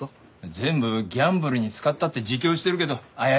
全部ギャンブルに使ったって自供してるけど怪しいもんだよ。